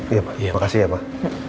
iya pak makasih ya pak